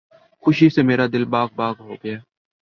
خوشی سے میرا دل باغ باغ ہو گیا